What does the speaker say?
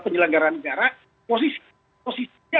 penyelenggaraan negara posisinya